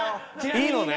いいのね？